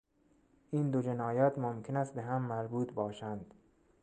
این دو جنایت ممکن است بههم مربوط باشند.